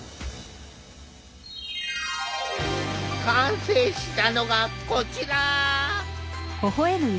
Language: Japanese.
完成したのがこちら！